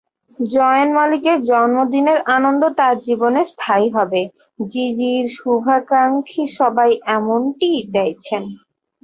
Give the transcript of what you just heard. জায়েন মালিকের জন্মদিনের আনন্দ তাঁর জীবনে স্থায়ী হবে—জিজির শুভাকাঙ্ক্ষী সবাই এমনটিই চাইছেন।